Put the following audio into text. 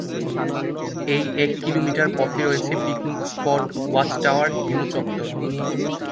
এই এক কিলোমিটার পথে রয়েছে পিকনিক স্পট, ওয়াচ টাওয়ার, হিম চত্বর।